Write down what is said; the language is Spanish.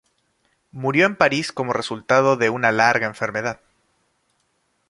Murió en París como resultado de una larga enfermedad.